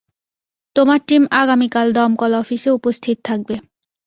তোমার টিম আগামীকাল দমকল অফিসে উপস্থিত থাকবে।